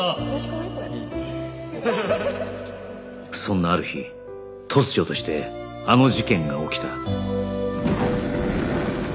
そんなある日突如としてあの事件が起きた